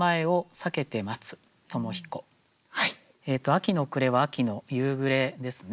「秋の暮」は秋の夕暮れですね。